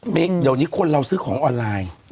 เดี๋ยวนี้คนเราซื้อของออนไลน์